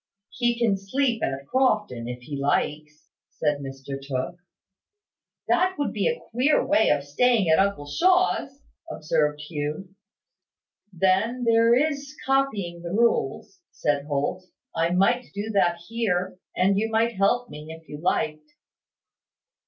"He can sleep at Crofton, if he likes," said Mr Tooke. "That would be a queer way of staying at uncle Shaw's," observed Hugh. "Then there is copying the rules," said Holt. "I might do that here; and you might help me, if you liked."